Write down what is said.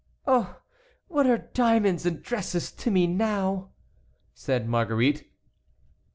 "Oh! what are diamonds and dresses to me now?" said Marguerite.